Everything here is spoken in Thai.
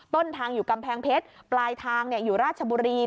ต้นทางอยู่กำแพงเพชรปลายทางอยู่ราชบุรี